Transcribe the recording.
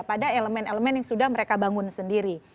pada elemen elemen yang sudah mereka bangun sendiri